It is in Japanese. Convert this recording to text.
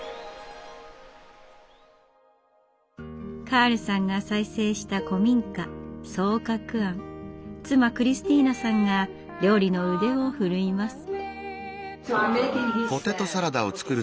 カールさんが再生した古民家妻クリスティーナさんが料理の腕を振るいます。